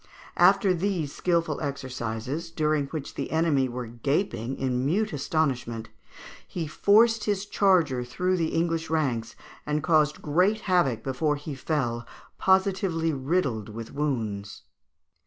After these skilful exercises, during which the enemy were gaping in mute astonishment, he forced his charger through the English ranks, and caused great havoc before he fell, positively riddled with wounds.